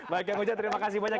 baik kang ujang terima kasih banyak